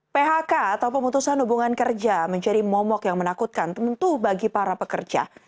phk atau pemutusan hubungan kerja menjadi momok yang menakutkan tentu bagi para pekerja